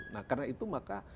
nah karena itu maka